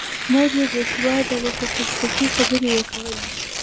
مور یې بې سواده وه خو فلسفي خبرې یې کولې